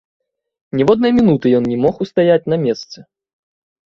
Ніводнай мінуты ён не мог устаяць на месцы.